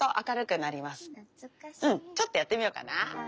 ちょっとやってみようかな。